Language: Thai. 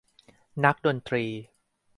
นักดนตรี